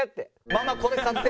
ママこれ買って！